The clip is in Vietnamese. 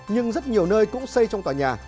nhưng rất nhiều nơi cũng xây trong tòa nhà